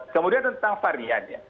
kemudian tentang variannya